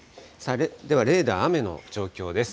では、レーダー、雨の状況です。